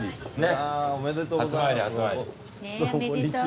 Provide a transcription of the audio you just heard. おめでとうございます。